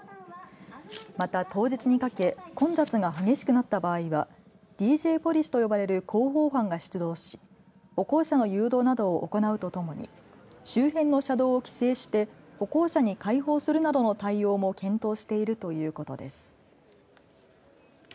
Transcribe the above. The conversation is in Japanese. また、当日にかけ混雑が激しくなった場合はＤＪポリスと呼ばれる広報班が出動し歩行者の誘導などを行うとともに周辺の車道を規制して歩行者に開放するなどの対応も検討しているということです。